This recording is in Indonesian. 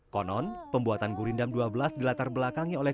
konon pembuatan gurindam dua belas dilatar belakangi oleh